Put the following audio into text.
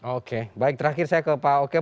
oke baik terakhir saya ke pak oke